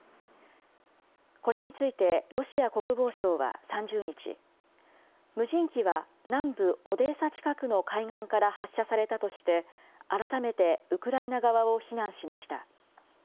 これについて、ロシア国防省は３０日、無人機は南部オデーサ近くの海岸から発射されたとして、改めてウクライナ側を非難しました。